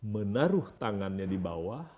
menaruh tangannya di bawah